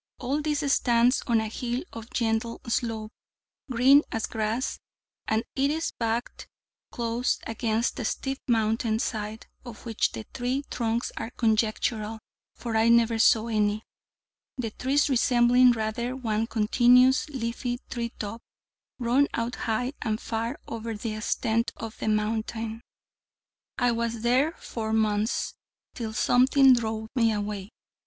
All this stands on a hill of gentle slope, green as grass; and it is backed close against a steep mountain side, of which the tree trunks are conjectural, for I never saw any, the trees resembling rather one continuous leafy tree top, run out high and far over the extent of the mountain. I was there four months, till something drove me away.